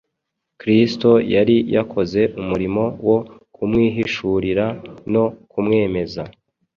Kristo yari yakoze umurimo wo kumwihishurira no kumwemeza;